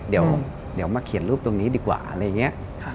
เดี๋ยวมาเขียนรูปตรงนี้ดีกว่าอะไรอย่างนี้